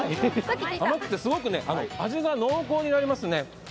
甘くてすごく味が濃厚になりますね。